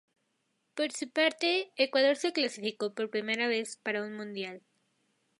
Por su parte, Ecuador se clasificó por primera vez para un Mundial.